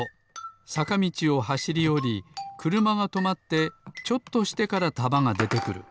さかみちをはしりおりくるまがとまってちょっとしてからたまがでてくる。